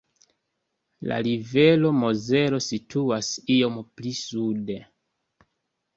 La rivero Mozelo situas iom pli sude.